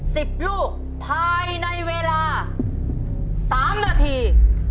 สิบลูกภายในเวลาสามนาที